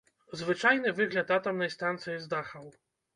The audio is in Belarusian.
Звычайны выгляд атамнай станцыі з дахаў.